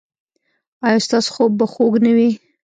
ایا ستاسو خوب به خوږ نه وي؟